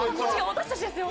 私たちですよ。